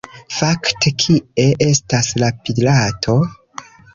Fakte, kie estas la pirato?